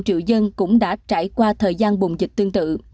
có hai mươi năm triệu dân cũng đã trải qua thời gian bùng dịch tương tự